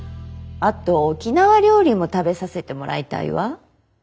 あと沖縄料理も食べさせてもらいたいわ。